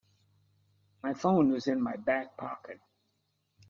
My phone is in my back pocket.